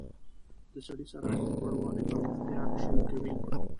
د سړي سر عاید لوړوالی پرمختیا شونې کوي.